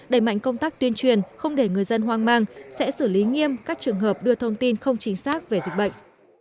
đẩy mạnh công tác tuyên truyền không để người dân hoang mang sẽ xử lý nghiêm các trường hợp đưa thông tin không chính xác về dịch bệnh